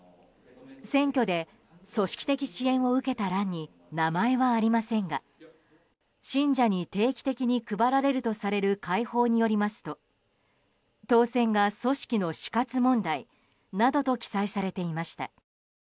選挙で組織的支援を受けた欄に名前はありませんが信者に定期的に配られるとされる会報によりますと当選が組織の死活問題などと記載されていました。